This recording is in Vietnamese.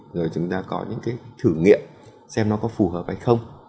rồi chúng ta có những cái thử nghiệm xem nó có phù hợp hay không